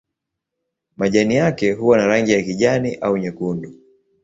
Majani yake huwa na rangi ya kijani au nyekundu.